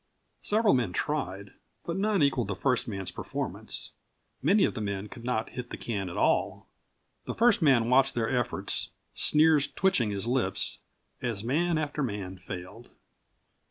Several men tried, but none equaled the first man's performance. Many of the men could not hit the can at all. The first man watched their efforts, sneers twitching his lips as man after man failed.